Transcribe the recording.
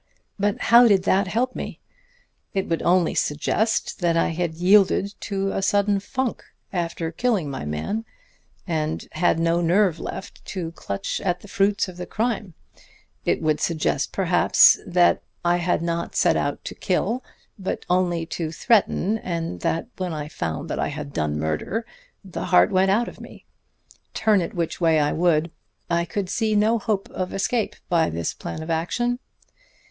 But how did that help me? It would only suggest that I had yielded to a sudden funk after killing my man, and had no nerve left to clutch at the fruits of the crime; it would suggest, perhaps, that I had not set out to kill but only to threaten, and that, when I found that I had done murder, the heart went out of me. Turn it which way I would, I could see no hope of escape by this plan of action.